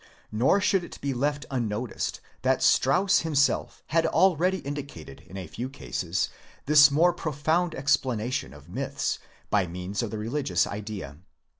Nor should it be left unnoticed that Strauss himself had already indicated in a few cases this more pro found explanation of myths by means of the re ligious idea.